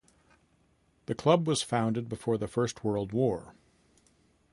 The club was founded before the First World War.